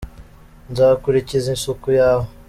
Nzakurikiza isuku yawe